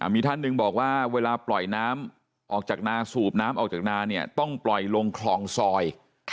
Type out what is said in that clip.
มีท่านหนึ่งบอกว่าเวลาปล่อยน้ำออกจากนาสูบน้ำออกจากนาเนี่ยต้องปล่อยลงคลองซอย